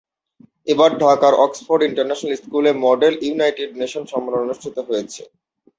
এবার ঢাকার Oxford international স্কুলে মডেল ইউনাইটেড নেশন সম্মেলন অনুষ্ঠিত হয়েছে।